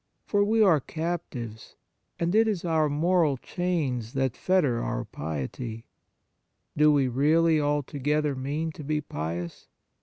For we are cap tives, and it is our moral chains that fetter our piety. Do we really alto gether mean to be pious